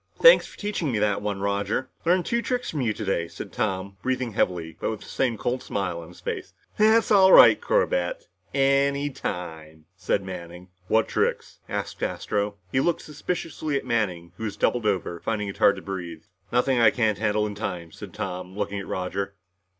"Thanks for teaching me that one, Roger. Learned two tricks from you today," said Tom, breathing heavily, but with the same cold smile on his face. "That's all right, Corbett. Any time," said Manning. "What tricks?" asked Astro. He looked suspiciously at Manning, who was doubled over, finding it hard to breath. "Nothing I can't handle in time," said Tom, looking at Roger.